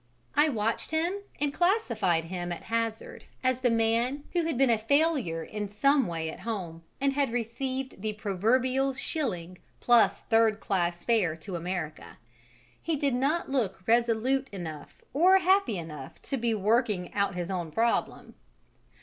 I watched him, and classified him at hazard as the man who had been a failure in some way at home and had received the proverbial shilling plus third class fare to America: he did not look resolute enough or happy enough to be working out his own problem.